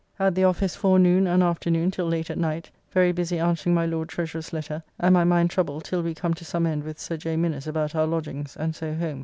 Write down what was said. At the office forenoon and afternoon till late at night, very busy answering my Lord Treasurer's letter, and my mind troubled till we come to some end with Sir J. Minnes about our lodgings, and so home.